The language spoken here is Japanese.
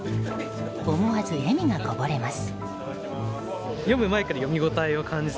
思わず笑みがこぼれます。